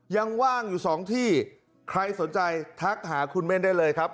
ยังว่างอยู่สองที่ใครสนใจทักหาคุณเม่นได้เลยครับ